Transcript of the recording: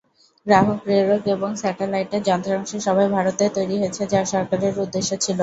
গ্রাহক প্রেরক এবং স্যাটেলাইটের যন্ত্রাংশ সবই ভারতে তৈরি হয়েছে যা সরকারের উদ্দেশ্য ছিল।